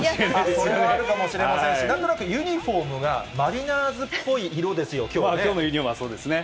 それもあるかもしれませんし、なんとなくユニホームがマリナーズっぽいユニホームですよね。